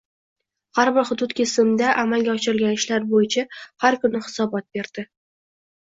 Har bir hudud kesimida amalga oshirilgan ishlar boʻyicha har kuni hisobot berdi